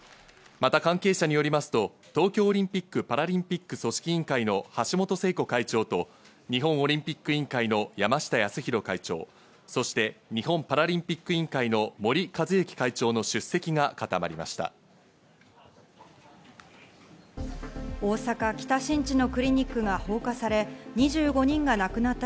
また関係者によりますと東京オリンピック・パラリンピック組織委員会の橋本聖子会長と日本オリンピック委員会の山下泰裕会長、そして日本パラリンピック委員会の森和之会長の出席が固まりました。